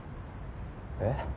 えっ？